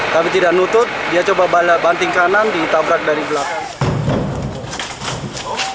kami tidak nutut dia coba banting kanan ditabrak dari belakang